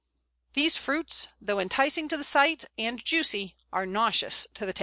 These fruits, though enticing to the sight, and juicy, are nauseous to the taste.